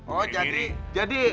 oh jadi jadi